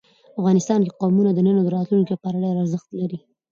افغانستان کې قومونه د نن او راتلونکي لپاره ډېر ارزښت لري.